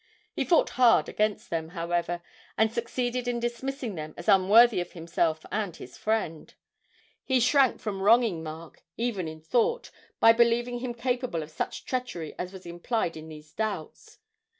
He fought hard against them, however, and succeeded in dismissing them as unworthy of himself and his friend: he shrank from wronging Mark, even in thought, by believing him capable of such treachery as was implied in these doubts.